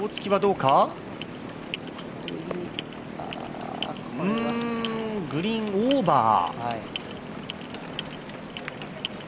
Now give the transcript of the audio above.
うーん、グリーンオーバー。